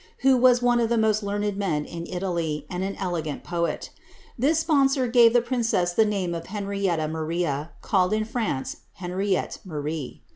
who was one of the most learned men in Italy, and an elegant poet This sponsor gave the princess the name of Henrietta Maria, called in France, Henriette Marie.